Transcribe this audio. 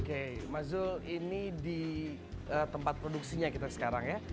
oke mazul ini di tempat produksinya kita sekarang ya